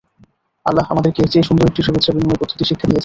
আল্লাহ আমাদেরকে এর চেয়ে সুন্দর একটি শুভেচ্ছা বিনিময় পদ্ধতি শিক্ষা দিয়েছেন।